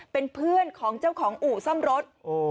เป็นเพื่อนของเจ้าของอู่ซ่อมรถ